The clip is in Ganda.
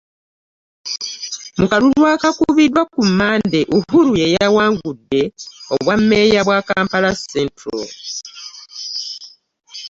Mu kalulu akaakubiddwa ku Mmande, Uhuru yeyawangudde obwammeeya bwa Kampala Central